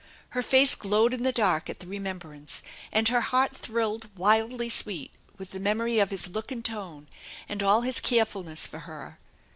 Her face glowed in the dark at the remembrance, and her heart thrilled wildly sweet with the memory of his look and tone, and all his carefulness for her.